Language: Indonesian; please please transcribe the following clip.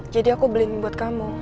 jadi aku beli ini buat kamu